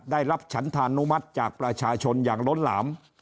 ได้รับฉันธานุมัติจากประชาชนอย่างล้นหลาม